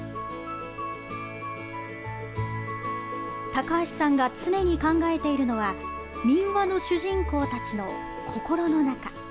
高橋さんが常に考えているのは民話の主人公たちの心の中。